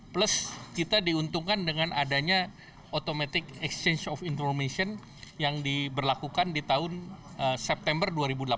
plus kita diuntungkan dengan adanya automatic exchange of information yang diberlakukan di tahun september dua ribu delapan belas